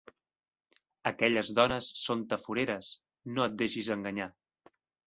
Aquelles dones són tafureres, no et deixis enganyar.